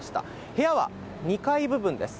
部屋は２階部分です。